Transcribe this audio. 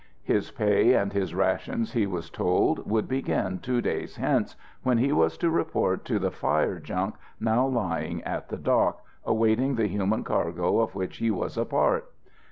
His pay and his rations, he was told, would begin two days hence, when he was to report to the fire junk now lying at the dock, awaiting the human cargo of which he was a part.